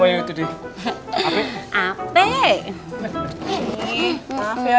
maaf ya kita tadi telat bukain pagernya